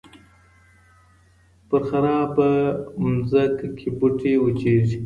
په خرابه ځمکه کې بوټی وچېږي.